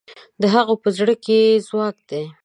د هغوی په زړه کې ځواک دی.